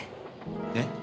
えっ？